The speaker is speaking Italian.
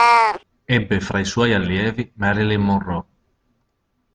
Ebbe fra i suoi allievi Marilyn Monroe.